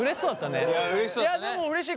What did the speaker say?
いやでもうれしい。